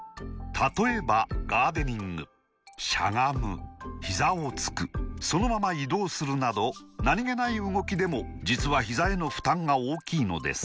例えばガーデニングしゃがむひざをつくそのまま移動するなど何気ない動きでも実はひざへの負担が大きいのです